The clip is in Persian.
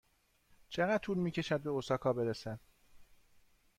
چقدر طول می کشد به اوساکا برسد؟